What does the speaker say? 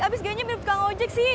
habis gayanya mirip tukang ojek sih